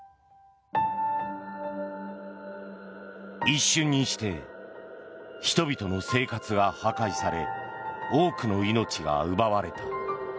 一瞬にして人々の生活が破壊され多くの命が奪われた。